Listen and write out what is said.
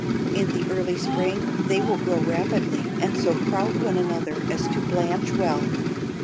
In the early spring they will grow rapidly and so crowd one another as to blanch well.